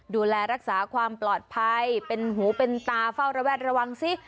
ดูแลรักษาความปลอดภัยเป็นหูเป็นตาเฝ้าระแวดระวังซิ